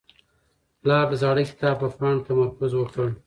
پلار د زاړه کتاب په پاڼو تمرکز وکړ.